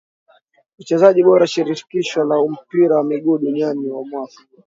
Uchezaji bora shirikisho la mpira wa miguu duniani wa mwaka